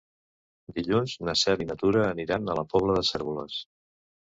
Dilluns na Cel i na Tura aniran a la Pobla de Cérvoles.